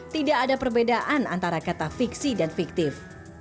tidak ada perbedaan antara kata fiksi dan fiktif